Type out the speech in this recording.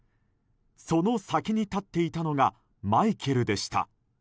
その先に立っていたのがマイケルでした。